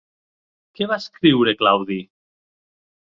Què va escriure Claudi?